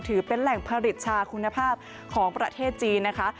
ถือเป็นแหล่งผลิตชาคุณภาพของประเทศจีนนะคะ